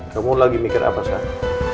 kamu lagi mikir apa saya